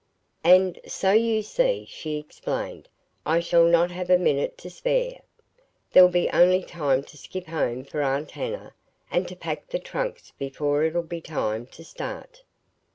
"And so you see," she explained, "I shall not have a minute to spare. There'll be only time to skip home for Aunt Hannah, and to pack the trunks before it'll be time to start."